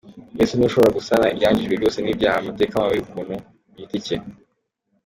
Yesu niwe ushobora gusana ibyangijwe byose n’Ibyaha, amateka mabi, umuntu ku giti ke.